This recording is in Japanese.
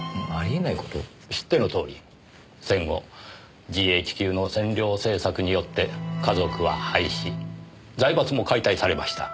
知ってのとおり戦後ＧＨＱの占領政策によって華族は廃止財閥も解体されました。